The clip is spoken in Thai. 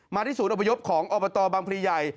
ที่ศูนย์อพยพของอบตบางพลีใหญ่